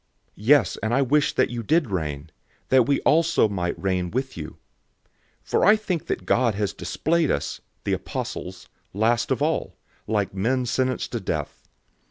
Yes, and I wish that you did reign, that we also might reign with you. 004:009 For, I think that God has displayed us, the apostles, last of all, like men sentenced to death.